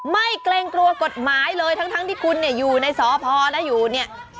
เกรงกลัวกฎหมายเลยทั้งที่คุณเนี่ยอยู่ในสพแล้วอยู่เนี่ย